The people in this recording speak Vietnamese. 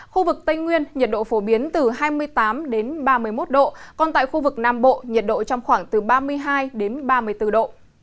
khu vực tây nguyên nhiệt độ phổ biến từ hai mươi tám ba mươi một độ còn tại khu vực nam bộ nhiệt độ trong khoảng từ ba mươi hai đến ba mươi bốn độ